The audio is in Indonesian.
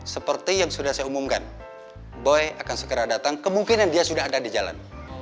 seperti yang sudah saya umumkan boy akan segera datang kemungkinan dia sudah ada di jalan